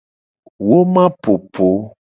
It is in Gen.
Woma popo.